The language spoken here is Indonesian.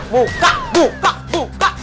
buka buka buka